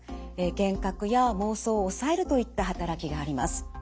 幻覚や妄想を抑えるといった働きがあります。